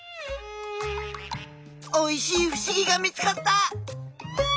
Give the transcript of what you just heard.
おいしいふしぎが見つかった！